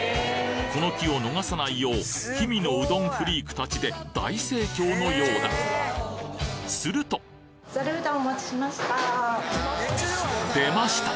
この機を逃さないよう氷見のうどんフリークたちで大盛況のようだすると出ました！